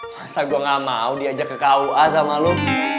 masa gue gak mau diajak ke kua sama lo